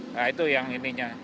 nah itu yang ininya